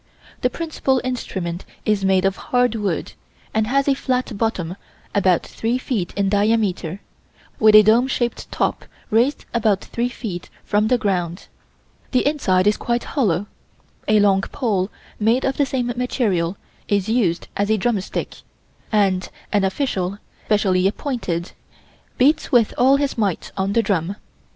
The principal instrument is made of hard wood, and has a flat bottom about three feet in diameter, with a dome shaped top raised about three feet from the ground. The inside is quite hollow. A long pole made of the same material is used as a drumstick, and an official, specially appointed, beats with all his might on the drum.